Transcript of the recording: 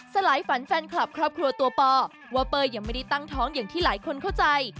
สลายฝันแฟนคลับครอบครัวตัวปอว่าเป้ยยังไม่ได้ตั้งท้องอย่างที่หลายคนเข้าใจ